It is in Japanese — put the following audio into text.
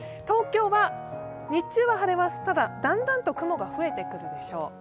東京は日中は晴れます、ただだんだんと雲が増えてくるでしょう。